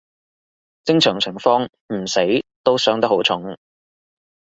正常情況唔死都傷得好重